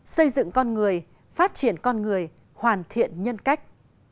xây dựng con người phát triển con người hoàn thiện nhân cách